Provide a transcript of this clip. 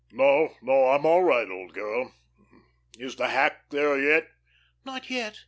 "No, no. I'm all right, old girl. Is the hack there yet?" "Not yet.